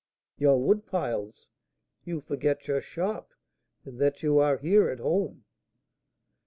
"Your wood piles! You forget your shop, and that you are here at home!"